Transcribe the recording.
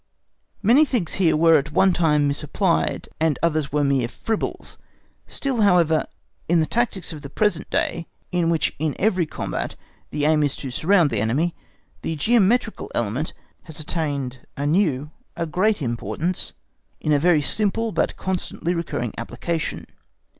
Many things here were at one time misapplied, and others were mere fribbles; still, however, in the tactics of the present day, in which in every combat the aim is to surround the enemy, the geometrical element has attained anew a great importance in a very simple, but constantly recurring application.